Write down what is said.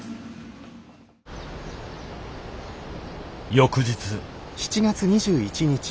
翌日。